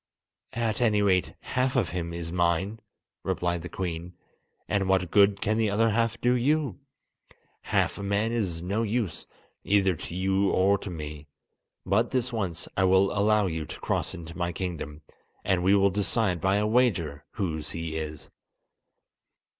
"At any rate half of him is mine," replied the Queen, "and what good can the other half do you? Half a man is no use, either to you or to me! But this once I will allow you to cross into my kingdom, and we will decide by a wager whose he is."